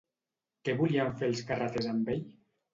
Què volien fer els carreters amb ell?